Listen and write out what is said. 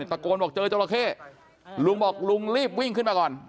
ตะโกนบอกเจอจราเข้ลุงบอกลุงรีบวิ่งขึ้นมาก่อน